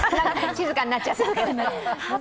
静かになっちゃった。